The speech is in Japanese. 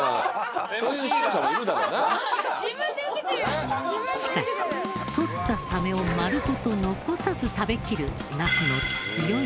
「自分でウケてる！」しかしとったサメを丸ごと残さず食べきるナスの強い意志。